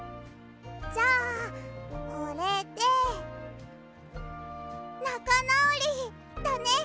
じゃあこれでなかなおりだねっ！